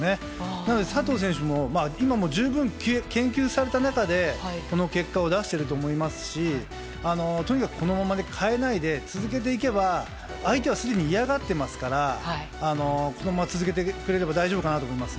なので、佐藤選手も今も十分研究された中でこの結果を出していると思いますしとにかく、このまま変えないで続けていけば相手はすでに嫌がっていますからこのまま続けてくれれば大丈夫かなと思います。